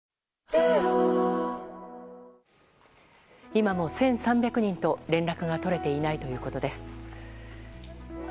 今も、１３００人と連絡が取れていないということです。